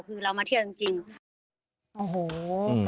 คือเรามาเที่ยวจริง